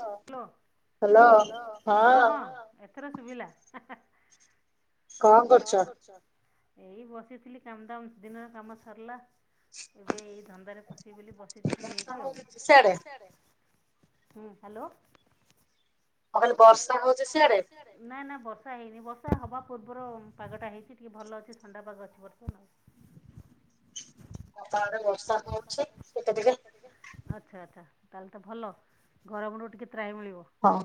Hello ହଁ ହଁ ଏଥର ଶୁବିଲା ହେଁ ହେଁ। କଣ କରୁଚ? ଏଇ ବସିଥିଲି କାମ ଦାମ୍ ଦିନର କାମ ସରଲା। ଏବେ ଏଇ ଧନ୍ଦାରେ ପସିବି ବୋଲି ବସିଚି ଫ୍ରି ହେଇକି ଆଉ। ହୁଁ ହାଲୋ। ମୁଁ କହିଲି ବର୍ଷା ହଉଚି ସିଆଡ଼େ? ନା ନା ବର୍ଷା ହେଇନି ବର୍ଷା ହବା ପୂର୍ବର ଅମ୍ ପାଗଟା ହେଇଚି ଟିକିଏ ଭଲ ଅଛି ଥଣ୍ଡା ପାଗ ଅଛି ବର୍ତ୍ତମାନ ଆଉ। ଆମ ଆଡ଼େ ବର୍ଷା ହଉଛି କେତେ ଟିକେ ଆଚ୍ଛା ଆଚ୍ଛା ତାହେଲ ତ ଭଲ ଗରମରୁୁ ଟିକେ ତ୍ରାହି ମିଳିବ। ହଁ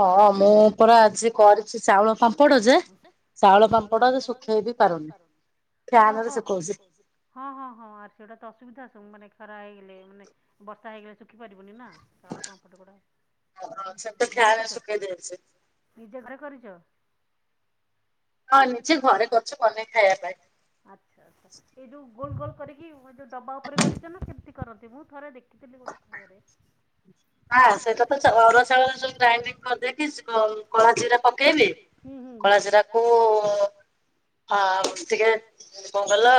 ହଁ ମୁଁ ପରା ଆଜି କରିଛି ଚାଉଳ ପାମ୍ପ ମ୍ପଡ ଯେ ଚାଉଳ ପାମ୍ପଡ ଯେ ଶୁଖେଇ ବି ପାରୁନି ଫ୍ୟାନରେ ଶୁଖଉଛି। ହଁ ହଁ ହଁ ଆର୍ ସେଡା ତ ଅସୁବିଧା ସବୁ ମାନେ ଖରାହେଇ ଗଲେ ମାନେ ବର୍ଷା ହେଇଗଲେ ଶୁଖିପାରିବନି ନା। ଚାଉଳ ପାମ୍ପଡ ଗୁଡା ଘରେ କରିଛ ନିଜେ ଘରେ କରିଚ? ହଁ ନିଜେ ଘରେ କରିଛୁ ବନେଇ ଖାଇବା ପାଇଁ। ଆଚ୍ଛା ଆଚ୍ଛା ଏଇ ଯୋଉ ଗୋଲ ଗୋଲ କରିକି ଏ ଯୋଉ ଡବା ଉପରେ କରିଚ ନା ସେମିତି କରନ୍ତି ମୁଁ ଥରେ ଦେଖ ଖିଥିଲି ଗୋଟେ ଘରେ। ମା ସେଟା ତ ଚ ଅରୁଆ ଚାଉଳରେ ଯୋଉ ଗ୍ରାଇଣ୍ଡିଙ୍ଗ କରିଦେଇକି କ କଳା ଜିରା ପକେଇବି ହୁଁ ହୁଁ। କଳାଜିରା କୁ। ହଁ ଟିକେ କଣ କହିଲ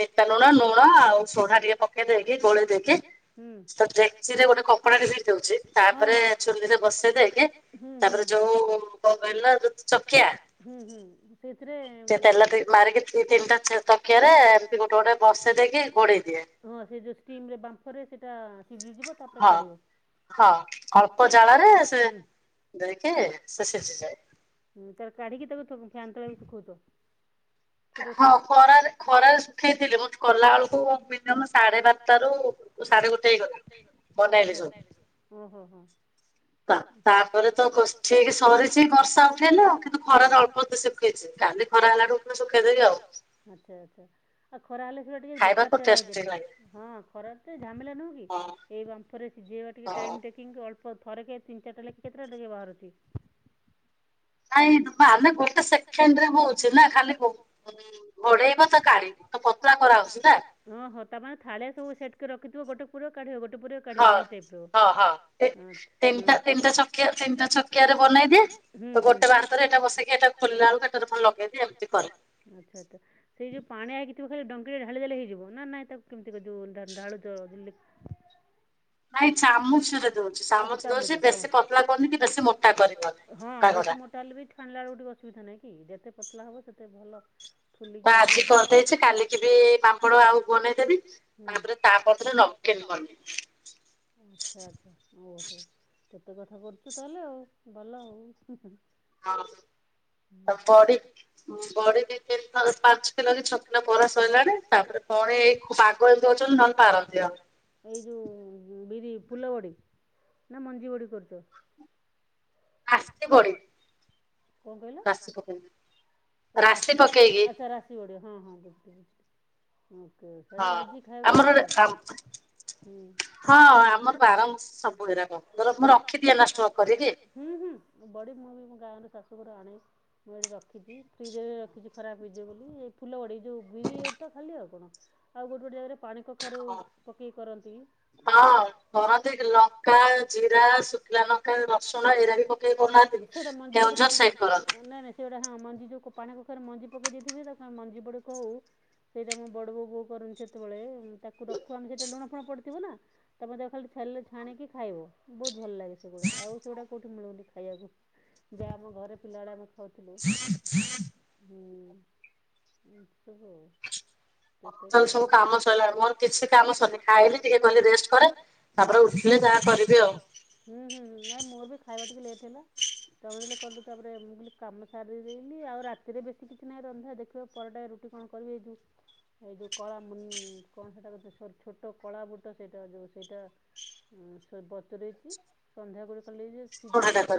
ବିଟା ଲୁଣ ଲୁଣ ଆଉ ସୋଢା ଟିକେ ପ କେଇଦେଇକି ଗୋଳେଇଦେଇକି ତ ଡେକଚି। ସେଥିରେ ଗୋଟେ କପଡାଟେ ଭିଡି ଦଉଛି ତାପରେ ଚୁଲିରେ ବସେଇ ଦେଇକି ତାପରେ ଯୋଉ। କଣ କହିଲ ଯୋଉ ଚକିଆ। କିଆ ହୁଁ ହୁଁ। ସେଇଥିରେ ତେଲ ଟିକେ ମାରିକି ଦି ତିନଟା ଚ ଚକିଆରେ ଏମତି ଗୋଟେ ଗୋଟେ ବସେଇ ଦେଇକି ଘୋଡେଇ ଦିଏ। ହଁ ସେ ଯୋଉ ଷ୍ଟିମରେ ବାମ୍ଫରେ ସେଟା ସିଜିଯିବ ତାପରେ କାଢିବ। ହଁ ଅଳ୍ପ ଜାଳରେ ସେ ଦେଇକି ସେ ସିଝିଯାଏ। ତ କାଢିକି ତାକୁ ଥୋ ଫ୍ୟାନ ତଳେ ଏବେ ସୁଖଉଚ? ହଁ ଖରାରେ ଖରା ଶୁଖେଇଥିଲି ମୁଁ କଲାଅଳୁକୁ ମିନିଅମ ସାଢେ ବାରଟାରୁ। ସାଡେ ଗୋଟାଏ ଗଲା ଘଣ୍ଟାଏ ଶୁଖିଲା ଆଛା ଆଚ୍ଛା ଓ ହୋ ହୋ। ତା ତାପରେ ଖୋ ଠିକି ସରିଛି ବର୍ଷା ଉଠେଇଲା। କିନ୍ତୁ ଖରାରେ ଅଳ୍ପ ଶୁଖେଇଛି କାଲି ଖରା ହେଲାରୁ। ମୁଁ ଶୁଖେଇଦେବି ଆଉ ଆଚ୍ଛା ଆଚ୍ଛା। ଆଉ ଖରା ହେଲେ ସେ ଟିକେ ବଙ୍କା ତେଢ଼ା ହେଇଯାଏ ହଁ ଖରାରେ ଟିକେ ଝାମେଲା ନୁହୁଁ କି ହଁ। ଏହି ବାମ୍ଫରେ ସିଜେଇବା ଟିକେ ଟାଇମ୍ ଟେକିଙ୍ଗ କି ଅଳ୍ପ ଥରେକ ତିନ ଚାରିଟା ଲେଖା କେତେଟା ଡେଲି ବାହାରୁଛି? ନାଇଁ ତୁ ମାନେ ଗୋଟେ ସେଖେଣ୍ଡରେ ମୋ ଛେନା ଖାଲି ପୋ ଘୋଡେଇବ ତ କାଢି। ତ ପତଳା କରାହଉଛି ନା।? ଓହୋ ତାମାନେ ଥାଳିଆରେ ସବୁ ସେଟ କରିକି ରଖିଥିବ ଗୋଟେ ପୁରା କାଢ଼ିଦବ ଗୋଟେ ପୁରା କାଢ଼ିବ ଏଇ ଟାଇପର ଗୋଟେ ପୁରେଇବା ଗୋଟେ କାଢ଼ିବା ଏଇ ଟାଇପର ହଁ ହଁ ତିନିଟା ଚକିଆ ତିନିଟା। ପୁରା କାଢ଼ିଦବ ଗୋଟେ ପୁରା କାଢ଼ିବ ଏଇ ଟାଇପର ଚ ବନେଇଦିଏ ଏଟା ବସେଇକି ଏଟା ଖୋଲଲା ଏଟାରେ ପୁଣି ଲଗେଇଦିଏ ଏମତି କରେ। ଆଚ୍ଛା ଆଚ୍ଛା। ସେଇ ଯୋଉ ପାଣି ଆଇକିଥିବ ଖାଲି ଡଙ୍କିରେ ଢାଳି ଦେଲେ ହେଇଯିବ ନା ନାଇଁ ତାକୁ କେମିତି ଢା ଢାଳୁଛ ଯେମତି। [inaudible] ନାଇଁ ଚାମଚରେ ଦଉଛି ଚାମଚ ଦଉଛି ବେଶୀ ପତଳା କରନି କି ବେଶୀ ମୋଟା କରିବନି ପାଗ ଟା। ଟାଲରୀ ବି ଛାଣିଲାଳୁକୁ ଟିକେ ଅସୁବିଧା ନାଇଁ କି ଯେତେ ପତଲା ହବ ସେତେ ଭଲ। ତ ଆଜି କରଦେଇଛି କାଲିକି ବି ପାମ୍ପଡ ଆଉ ବୁନେଇଦେବି ତାପରେ ତାପରଦିନ ନ [unintelligible] ଆଚ୍ଛା ଆଚ୍ଛା ଓହୋ। କେତେ କଥା କରୁଚୁ ତାହେଲେ ଆଉ ଭଲ ଆଉ। ହଁ। ତ ବଡି ବଡି ଦି ତିନଥର ପାଞ୍ଚ କିଲ ଯେ ଛକିଲ କରା ସଇଲାଣି ତାପରେ। ପରେ ଏଇ ପାଗ ଏମତି ହଉଛନ ନହଲେ ପାରନ୍ତି ଆଉ। ଏଇ ଯୋଉ ବିରି ଫୁଲବଡ଼ି ନା ମଞ୍ଜି ବଡ଼ି କରୁଛ? ରାଶି ବଡ଼ି। କଣ କହିଲେ ରା ଆଛା ରାଶି ପଡିବ ହଁ ହଁ ବଝିଲୀ। ଓକେ ସେଟା ଭାଜି ଖାଇକୁ ଭଲ। ହଁ ଆମର ବାରମାସି [unintelligible] ମୁଁ ରଖି ଦିଆ ଷ୍ଟକ କରିକି। ହୁଁ ହୁଁ ବଡ଼ି ମୁଁ ବି ମୋ ଗାଁରୁ ଶାଶୁଘରୁ ଆଣେ ମୁଁ ଏଠି ରଖିକି ଫ୍ରିଜ ରେ ରଖିଚି ଖରାପ ହେଇଯିବ ବୋଲି ଏ ଫୁଲ ବଡି ଯେଉ ବିରି ତ ଖାଲି ଆଉ କଣ। ଆଉ ଗୋଟେ ଗୋଟେ ଜାଗାରେ ପାଣି କଖାରୁ ପକେଇ କରନ୍ତି। ହଁ କରନ୍ତି ଲଙ୍କା ଜିରା ଶୁଖିଲା ନଙ୍କା ରସୁଣ ଏଇରା ବି ପ ସେଟା ମଞ୍ଜି ବଡି ପକା ନା ନା ସେଉଡ଼ା ହଁ ମଞ୍ଜି ଯୋଉ କ ପାଣି କଖରୁ ମଞ୍ଜି ପକେଇ ଦେଇଥିବେ ତାକୁ ଆମେ ମଞ୍ଜି ବଡି କଉ। ସେଇଟା ମୋ ବଡ଼ ବୋଉ ବୋଉ କରନ୍ତି ସେତେବେଳେ ତାକୁ ରଖୁ ଆମେ ସେଇଟା ଲୁଣ ଫୁଣ ପଡ଼ିଥିବ ନା। ତମେ ଦେ ଖାଲି ଛଲେ ଛାଣିକି ଖାଇବ। ବହୁତ ଭଲ ଲାଗେ ସେଗୁଡା ଆଉ ସେଗୁଡା କେଉଁଠି ମିଳୁନି ଖାଇବାକୁ। ଯାହା ଆମ ଘରେ ପିଲାବେଳେ ଆମେ ଖାଉଥିଲୁ। ହୁଁ ଏମତି ସବୁୁ ଆଉ। ତୋର ସବୁ କାମ ସରିଲାଣି ମୋର କିଛି କାମ ସାରିନୀ ଖାଇଲି ଟିକେ ଗଲି ରେଷ୍ଟ କରେ। ତାପରେ ଉଠିଲେ ଯାହା କରିବି ଆଉ। ହୁଁ ହୁଁ ନାଇଁ ମୋର ବି ଖାଇବା ଟିକେ ଲେଟ୍ ହେଲା। ତମେ ଯେତେଲେ କଲ ତାପରେ ମୁଁ କଲି କାମ ସାରି ଦେଇ ଆଉ ରାତିରେ ବେଶୀ କିଛି ନାହିଁ ରନ୍ଧା ଦେଖିବା ପରଟା ରୁଟି କଣ କରିବି ଏଇ ଯୋ ଏଇ ଯେଉଁ କଳା ମୁ କଣ ସେଇଟାକୁ ଛୋଟ କଳା ବୁଟ ସେଇଟା ଯେଉଁ ସେଇଟା ହଁ ସେ ବାତୁରେଇକି ସନ୍ଧ୍ୟା ବେଳକୁ କଲିଯେ ସିଜେଇକି ସି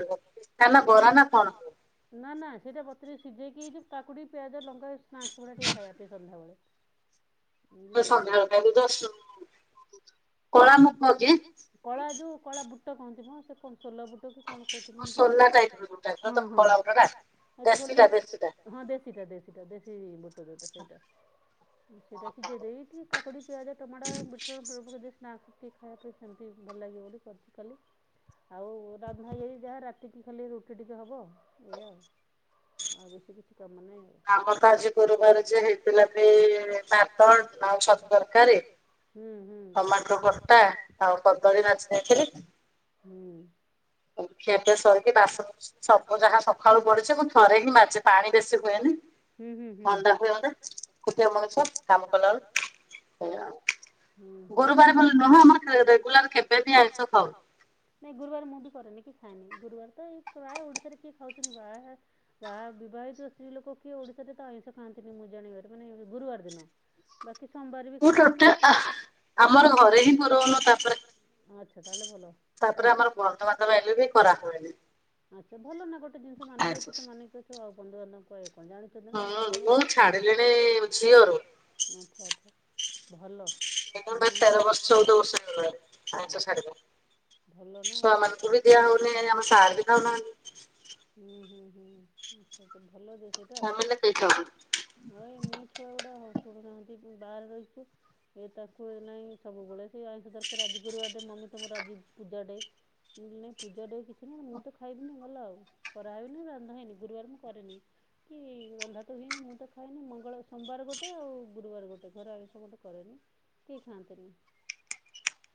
ନା ନା ସେଇଟା ବ ରେ ସିଝେଇକି ଯଉ କାକୁଡି ପିଆଜ ଲଙ୍କା ସ୍ନାକ୍ସ ଗୁଡା ଟିକେ ଖାଇବା ପାଇଁ ସନ୍ଧ୍ୟାବେଳେ। ଏଇ ଯୋ କଳା ଯୋଉ କଳା ବୁଟ କହନ୍ତି ମ ସେ କଣ ସୋଲା ବୁଟ କି କଣ କହୁଚନ୍ତି ମୁ ଟିକେ ହଁ ହଁ ଆଉ ଛୋଲେ ହଁ ଦେଶୀଟା ଦେଶୀଟା ଦେଶୀ ବୁଟୁ ଯୋଉଟା ସେଇଟା। ସେଇଟା ସିଯେଇ ଦେଇ ଟିକେ କାକୁଡ଼ି ପିଆଜ ଟମାଟ ବିଟଲୁନ ପକେଇ ଦେଇକି ସ୍ନାକ୍ସ ଟିକେ ଖାଇବା ପାଇଁ ସେମିତି ଭଲ ଲାଗିବ ବୋଲି କରିଚି କଲି ଆଉ ରନ୍ଧା ଏଇ ଯାହା ରାତିକି ଖାଲି ରୁଟି ଟିକେ ହବ ଏଇଆ ଆଉ। ଆଉ ବେଶୀ କିଛି କାମ ନାହିଁ ଆଉ। ଆମର ତ ଆଜି ଗୁରୁବାର ଯେ ହେଇଥିଲା ସେ ଭାତ ଆଉ ଚତୁ ତରକାରୀ। ହୁଁ ହୁଁ ହୁଁ। ଖିଆ ପିଆ ସରିକି ବାସନ ସବୁ ଯାହା ସଖାଳୁ ପଡିଚି ମୁଁ ଥରେ ହିଁ ମାଜେ। ପାଣି ବେଶୀ [unintelligible] ଥଣ୍ଡା ହୁଏ ମତେ ଏକୁଠିଆ ମଣିଷ କାମ କଲା ବେଳୁ ଏଇଆ ଉ ଗୁରୁବାର ବୋଲି ନୁହଁ ଆମର ରେଗୁଲାର କେବେ ବି ଆଇଁଷ ଖାଉନୁ। ନାଇଁ ଗୁରୁବାର ମୁଁ ବି କରେନି କି ଖାଏନି। ଗୁରୁବାର ତ ଏ ପ୍ରାୟ ଓଡିଶାରେ କିଏ ଖାଉଚ ନ୍ତି ବାହା ବାହା ବିବାହିତ ସ୍ତ୍ରୀ ଲୋକ କିଏ ଓଡିଶାରେ ତ ଆଇଁଷ ଖାଆନ୍ତିନି ମୁଁ ଜାଣିବାରେ ମାନେ ଗୁରୁବାର ଦିନ। ବାକି ସୋମବାର ବି ଖାଆନ୍ତିନି। ଆଛା ତାହେଲେ ଭଲ। ଆଛା ଭଲ ନା ଗୋଟେ ଜିନିଷ ମାନିକି ଅଛ ତ ମାନିକି ଅଛ ଆଉ ବଧୁବାନ୍ଧବ [unintelligible] [unintelligible] ଆଛା ଆଛା ଭଲ। [unintelligible] ତେର ବର୍ଷ ଚଉଦ ବର୍ଷ ହେଇଗଲାଣି ଆଇଁସ ଛାଡିବା। ଭଲ ନା ସେଇଟା। ହୁଁ ହୁଁ ହୁଁ ଆଛା ଆଛା ଭଲ ଯେ ସେଇଟା ହ ମୋ ଛୁଆ ଗୁଡା ଶୁଣୁନାହାନ୍ତି ବାହାରେ ରହିଚୁ। ଏ ତାଙ୍କୁ ନାଇଁ ସବୁବେଳେ ସେଇ ଆଇଁଷ ଦରକାର ଆଜି ଗୁରୁବାର ଡେ ମମି ତମର ଆଜି ପୂଜା ଡେ ମୁ ନାଇଁ ପୂଜ ଡେ କିଛି ନାଇ ମୁଁ ତ ଖାଇବିନି ଗଲା ଆଉ କରାହେଇନି ରନ୍ଧା ହେଇନି ଗୁରୁବାର ମୁ କରେନି। କି ରନ୍ଧା ତ ହୁଏନି ମୁଁ ତ ଖାଏନି ମଙ୍ଗଳ ସୋମବାର ଗୋଟେ ଆଉ ଗୁରୁବାର ଗୋଟେ ଘରେ ଆଇଁଷ ଗୋଟେ କରେନି। କିଏ ଖାଆନ୍ତନି।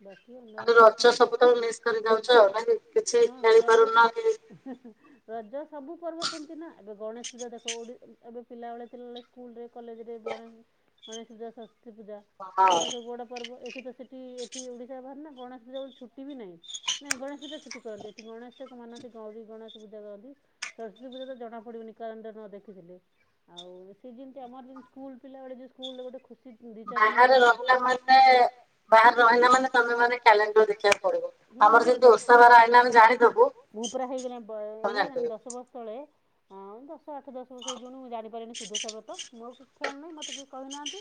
ବାକି ଅନ୍ୟ ଦିନ ତ ସବୁତକ ମିସ୍ କରି ଯାଉଛ ନେଇକି ରଜ ରଜ ସବୁ ପର୍ବ ସେମିତି ନା ଏବେ ଗଣେଶ ପୂଜା ଦେଖ ଏବେ ପିଲାବେଳେ ଥିଲାବେଳେ ସ୍କୁଲରେ କଲେଜରେ ଗଣେଶ ପୂଜା ସରସ୍ଵତୀ ପୂଜା ଏଗୁଡା ସବୁ ବଡ ପର୍ବ ଏଠି ତ ସେଠ ଏଠି ଓଡିଶା ବାହାରେ ନା ଗଣେଶ ପୂଜା ଛୁଟି ବି ନାହିଁ। ନାଇଁ ଗଣେଶ ପୂଜା ଛୁଟି କରନ୍ତି ଏଠି ଗଣେଶଟା ମାନନ୍ତି ଗୌରୀ ଗଣେଶ ପୂଜା କରନ୍ତି। [unintelligible] ଜଣା ପଡିବନି କାହାଣୀ ନ ଦେଖିଥିଲେ ଆଉ ସେ ଯେମିତି ଆମର ସ୍କୁଲ ପିଲାବେଳେ ଯଉ ସ୍କୁଲ ଗୋଟେ ଖୁସି ବାହାରେ ରହିଲା ମାନେ ବାହାରେ ରହିଲା ମାନେ ତମେ ମାନେ କ୍ୟାଲେଣ୍ଡର ଦେଖିବାକୁ ପଡିବ ଆମର ଯେମିତି ଓଷାବାର ଆସିଲେ ଆମେ ଜାଣିଦବୁ। ଭୂ ପୁରା ହେଇଗଲେ ହେଇଗଲାଣି ଦଶ ବର୍ଷ ତଳେ ହଁ ଦଶ ଆଠ ଦଶ ବର୍ଷ ହେଇଯିବନି ମୁଁ ଜାଣିପାରେନି ସୁଦସାବ୍ରତ ମୋ ଖିାଲ ନାହିଁ ମୋତେ କିଏ କହିନାହାନ୍ତି।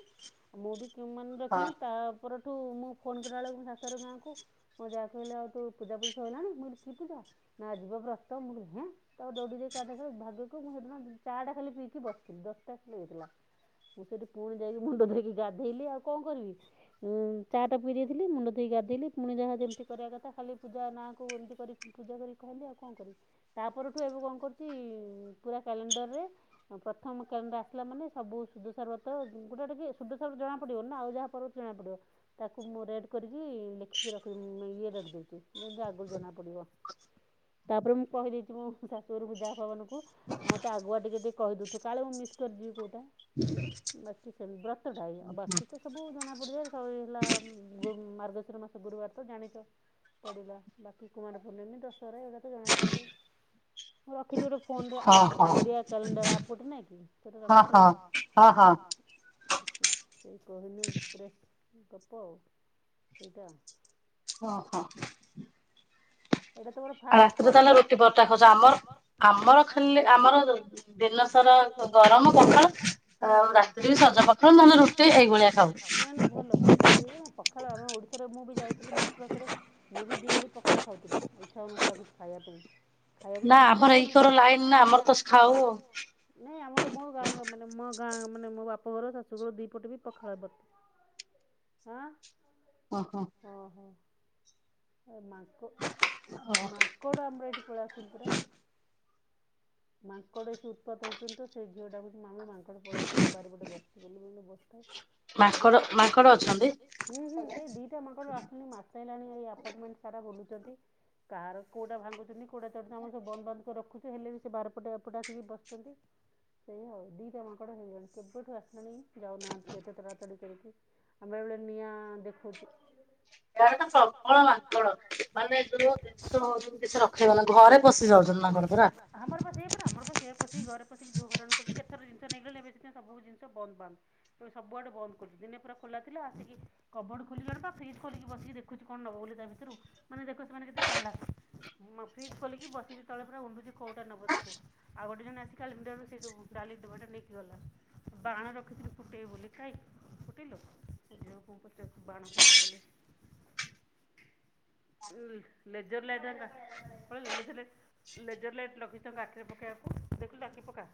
ଆଉ ମୁଁ ବି କେଉଁ ମନ ରଖିନି ତା ପରଠୁ ମୁଁ ଫୋନ୍ କଲା ବେଳକୁ ଶାଶୁ ଘର ଗାଁକୁ ମୋ ଯାହା କହିଲା ଆଉ ପୂଜା ପୂଜି ସାରିଲାଣି ମୁଁ କି ପୂଜା। ନା ଆଜିପରା ବ୍ରତ ମୁ ହେଁ ଦୌଡି ଯାଇ ଭାଗ୍ୟକୁ ମୁଁ ସେଦିନ ଚାହା ଖାଲି ପିଇକି ବସିଥିଲି ଦଶଟା ଖଣ୍ଡେ ହେଇଥିଲା। ମୁଁ ସେଇଠି ପୁଣି ଯାଇକି ମୁଣ୍ଡ ଧଇଁକି ଗାଧେଇଲି ଆଉ କଣ କରିବି। ଚାହାଟା ପିଇ ଦେଇଥିଲି ମୁଣ୍ଡ ଧୋଇଁକି ଗାଧେଇଲି ପୁଣି ଯାହା ଯେମିତି କରିବା କଥା ଖାଲି ପୂଜା ନାଁକୁ ଏମିତି କରି ପୂଜା କରିକି କହିଲି ଆଉ କଣ କରିବି ତା ପରଠୁ ଏବେ କଣ କରୁଛି ପୁରା କ୍ୟାଲେଣ୍ଡରରେ ପ୍ରଥମ [unintelligible] ଆସିଲା ମାନେ ସବୁ ସୁଦସାବ୍ରତ ଗୋଟେ ଟିକେ ସୁଦସା ଜଣା ପଡିବ ନା ଆଉ ଯାହାପର ଜଣା ପଡିବ। ତାକୁ ମୁଁ ରେଟ କରିକି ଲେଖିକି ରଖି ଇଏ ରେଟ୍ ଦଉଛି ଯେମିତି ଆଗରୁ ଜଣା ପଡିବ। ତାପରେ ମୁଁ କହିଦେଇଛି ମୁଁ ଶାଶୁଘରକୁ ଯା ମତେ ଆଗୁଆ ଟିକେ ଟିକେ କହିଦଉଥ କାଳେ ମୁଁ ମିସ୍ କରିଯିବି କଉଟା। [unintelligible] ବାକି ସେ ବ୍ରତଟା ଆଉ ବାକି ତ ସବୁ ଜଣାପଡିବ ହେଲା ମାର୍ଗଶିର ମାସ ଗୁରୁବାର ତ ଜାଣିଛ ପଡ଼ିଲା ବାକି କୁମାରପୂର୍ଣ୍ଣିମୀ ଦଶହରା ଏଗୁରା ତ ଜଣାପଡ଼ିଯାଏ। [unintelligible] ଫୋନରେ ଆପ୍ ଓଡିଆ କ୍ୟାଲେଣ୍ଡର ଆପ୍ ଗୋଟେ ନାଇ କି ସେଟା ରଖିଛି। ସେଇ କହନୁ ଗପ ଆଉ ସେଇଟା। ହଁ ହଁ। ଏଇଟା ତୋର ଆଉ ରାତିରେ ତାହେଲେ ରୁଟିପରଟା ଖାଉଛ ଆମର ଆମର ଖାଲି ଆମର ଦିନସା ଆମର ଗରମ ପଖାଳ ଆଉ ରାତିରେ ବି ସଜ ପଖାଳ ନହେଲେ ରୁଟି ଏଇଭଳିଆ ଖାଉ। ନାଇଁ ନାଇଁ ଭଲ ଭଲ ସେ ପଖାଳ ଆମ ଓଡ଼ିଶାରେ ମୁଁ ବି ଯାଇଥିଲି ମାର୍ଚ୍ଚ ମାସରେ। ମୁଁ ବି ଦିଓଳି ପଖାଳା ଖାଉଥିଲି ଇଚ୍ଛା ହଉନଥିଲା କିଛି ଖାଇବା ପାଇଁ। ଖାଇବାକୁ ତ ଇଛା ହବନି ଏକର ଲାଇନ ନା ଆମର ତ ଖାଉ। ନାଇଁ ଆମର ମୋ ଗାଁ ମାନେ ମୋ ଗାଁ ମାନେ ମୋ ବାପ ଘର ଶାଶୁଘର ଦିଇ ପଟେ ବି ପଖାଳ ଏପଟେ। ହଁ। ଓହୋ। ମାଙ୍କ ମାଙ୍କଡ ଆମର ଏଠି ପଳାଇ ଆସନ୍ତି ପରା। ମାଙ୍କଡ଼ ଏଠି ଉତ୍ପାତ ହଉଛନ୍ତି ତ ସେ ଝିଅଟା କହୁଛି ମାମି ମାଙ୍କଡ଼ ପଳାଇ ଆସିକି ବାରିପଟେ ବସିଛି ବୋଲି ମୁଁ କହିଲି ବସିଥାଉ। ସବୁ ମାଙ୍କଡ ମାଙ୍କଡ ଅଛନ୍ତି? ହୁଁ ହୁଁ ଏଇ ଦିଟା ମାଙ୍କଡ଼ ଆସିକି ମାସେ ହେଲାଣି ଏଇ ଆପାର୍ଟମେଣ୍ଟ ସାରା ବୁଲୁଛନ୍ତି। କାହାର କୋଉଟା ଭାଙ୍ଗୁଛନ୍ତି କଉଟା ଚଢୁଛନ୍ତି ଆମର ସବୁ ବନ୍ଧ ବାନ୍ଦ କରି ରଖୁଚୁ ହେଲେ ସେ ବାହାରପଟେ ଏପଟେ ଆସିକି ବସିଛନ୍ତି। ସେଇ ହଉ ଦିଟା ମାଙ୍କଡ ହେଇଗଲାଣି କେବେଠୁ ଆସିଲାଣି ଯାଉନାହାନ୍ତି ଏତେ ତଡା ତଡ଼ି କରିକି। ଆମେ ଏବେ ନିଆଁ ଦେଖେଉ ଥିଲୁ। ଏହାର ତ ପ୍ରବଳ ମାଙ୍କଡ ମାନେ ଯୋଉ [inaudible] ହଉଛନ୍ତି କିଛି ରଖେଇ ଦଉନା ଘରେ ପଶି ଯାଉଛନ୍ତି ମାଙ୍କଡ଼ ପରା। ଆମର ସେଇ ପରା ଆମର ସେ ପଶିକି ଘରେ ପଶିକି ଯୋଉ ହରରାଣ କରୁଛି କେତଥର ଜିନିଷ ନେଇଗଲେଣି ଏବେ ସିନା ସେତିପାଇଁ ସବୁ ଜିନଷ ବନ୍ଦ ବାନ୍ଦ। ସବୁଆଡେ ବନ୍ଦ କରୁଛୁ ଦିନ ପୁରା ଖୋଲା ଥିଲା ଆସିକି କବର୍ ଖୋଲିଲେଣି ବା ଫ୍ରିଜ୍ ଖୋଲିକି ବସିକି ଦେଖୁଛି କଣ ନବ ବୋଲି ତା ଭିତରୁ ମାନେ ଦେଖ ସେମାନେ କେତେ ଚାଲାକ। ହଁ ଫ୍ରିଜ୍ ଖୋଲିକି ବସିିକି ତଳେ ପୁରା ଉଣ୍ଡୁଛି। କୋଉଟା ନବ ତାକୁ। ଆଉ ଗୋଟେ ଜଣେ ଆସିକି ଖାଲି ଅଣ୍ଡାଳୁଛି ଯଉ ଡାଲି ଡବାଟା ନେଇକି ଗଲା। ବାଣ ରଖିଥିଲି ଫୁଟେଇବୁ ବୋଲି କାଇଁ ଫୁଟେଇଲୁ ମୋ ଝିଅକୁ ମୁଁ ପଚାରୁଛି ବାଣ ଫୁଟା ବୋଲି। [inaudible] ହଁ ଲେଜ୍ଜରଲାଇଟି ଲେଜ୍ୱର ଲାଇଟ ଲେଜ୍ଜର ଲାଇଟ ରଖିଚୁ ତାଙ୍କ ଆଖିରେ ପକେଇବାକୁ ଦେଖିଲୁ ଆଖିରେ ପକା।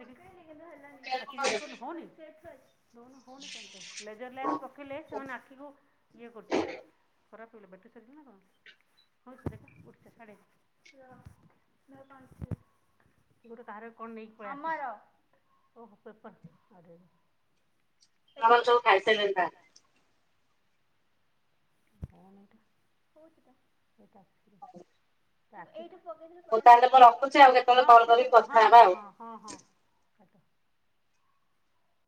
ଆଖିରେ ଏମିତି କଲୁ ହୋଉନି? ଦୋଉନୁ ହୋଉନି କଣ ପାଇଁ ଲେଜ୍ୱର ଲାଇଟ ପକେଇଲେ ସେମାନେ ଆଖିକୁ ଇଏ କରୁଛନ୍ତି। ଖରାପ ହେଇଗଲା ବେଟିରି ସରିିଲା ନା କଣ ହୋଉଛି ତ ଦେଖା ଉଠିଯା ଛାଡେ। ଗୋଟେ କାହାର କଣ ନେଇକି ପଳାଆସିଲା। ଓହୋ ପେପର ଆରେ ତମର ସବୁ ଖାଇସାରଲଣି ତାହାଲେ? କଣ ଏଇଟା ହଉଛି ତ ଏଟା। ହଁ ଠିକ ଅଛି ହଁ ହଁ ହଁ। ହଁ ହଁ କାଟ।